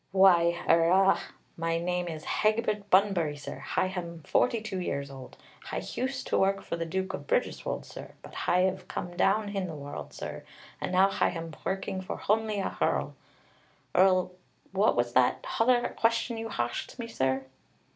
"Why, er, ah, my name is Hegbert Bunbury, sir. Hi ham forty two years old. Hi hused to work for the Duke of Bridgerswold, sir, but Hi 'ave come down hin the world, sir, and now Hi ham working for honly a hearl. Er, what was that hother question you harsked me, sir?"